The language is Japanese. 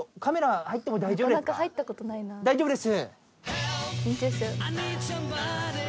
大丈夫です。